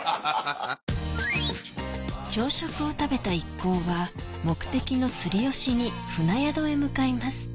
朝食を食べた一行は目的の釣りをしに船宿へ向かいます